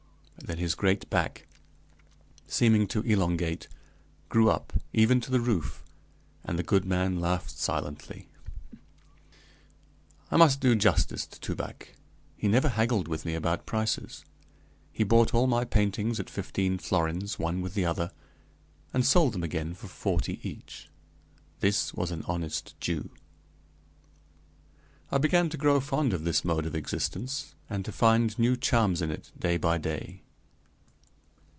Then his great back, seeming to elongate, grew up, even to the roof, and the good man laughed silently. I must do justice to Toubac: he never haggled with me about prices; he bought all my paintings at fifteen florins, one with the other, and sold them again for forty each. "This was an honest Jew!" I began to grow fond of this mode of existence, and to find new charms in it day by day.